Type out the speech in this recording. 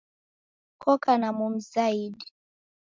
Koka na momu zaidi